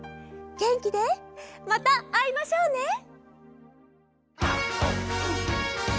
げんきでまたあいましょうね。